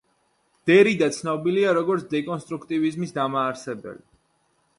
დერიდა ცნობილია, როგორც დეკონსტრუქტივიზმის დამაარსებელი.